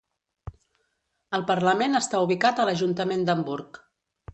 El Parlament està ubicat a l'ajuntament d'Hamburg.